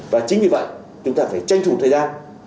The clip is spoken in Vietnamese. và chính vì vậy chúng ta phải tranh thủ thời gian